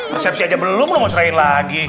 resepsi aja belum lu mau cerain lagi